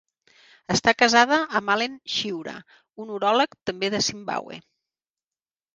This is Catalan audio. Està casada amb Allen Chiura, un uròleg, també de Zimbabwe.